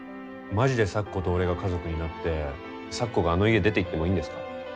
まじで咲子と俺が家族になって咲子があの家出て行ってもいいんですか？